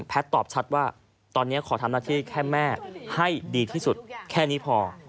ตอบชัดว่าตอนนี้ขอทำหน้าที่แค่แม่ให้ดีที่สุดแค่นี้พอ